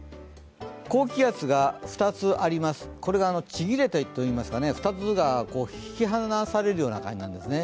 高気圧が２つあります、これがちぎれてといいますか２つが引き離されるような感じになるんですね。